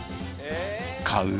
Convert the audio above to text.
買う？